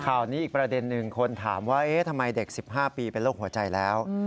ข่าวนี้อีกประเด็นหนึ่งคนถามว่าทำไมเด็ก๑๕ปีเป็นโรคหัวใจแล้ว